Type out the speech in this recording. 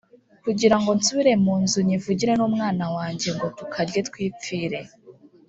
kugira ngo nsubire mu nzu nkivugire n’umwana wanjye, ngo tukarye twipfire